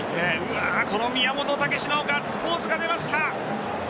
この宮本丈のガッツポーズが出ました。